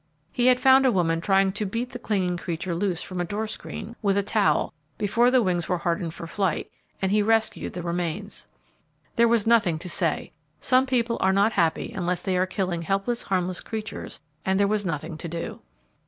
He had found a woman trying to beat the clinging creature loose from a door screen, with a towel, before the wings were hardened for flight, and he rescued the remains. There was nothing to say; some people are not happy unless they are killing helpless, harmless creatures; and there was nothing to do.